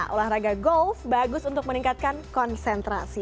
olahraga golf bagus untuk meningkatkan konsentrasi